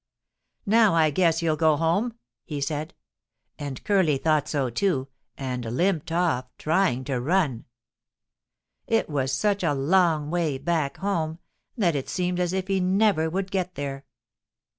"'Now I guess you'll go home!' he said, and Curly thought so, too, and limped off, trying to run. It was such a long way back home that it seemed as if he never would get there.